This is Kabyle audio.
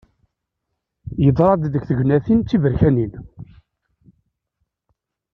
Yeḍra-d deg tegnatin d tiberkanin.